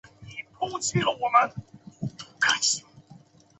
至于德国兄弟会也会听到这首歌曲。